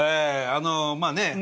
あのまあね